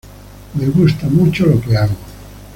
Me gusta mucho lo que hago.